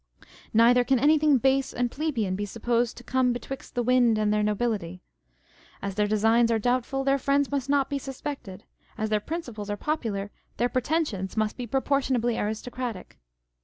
Neither can anything base and plebeian be supposed to " come betwixt the wind and their nobility." As their designs are doubtful, their friends must not be suspected : as their principles are popular, their pre tensions must be proportionably aristocratic.